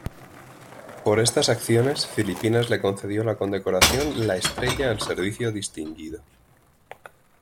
Por estas acciones Filipinas le concedió la condecoración la estrella al Servicio Distinguido.